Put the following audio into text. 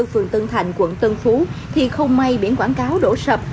phường tân thành quận tân phú thì không may biển quảng cáo đổ sập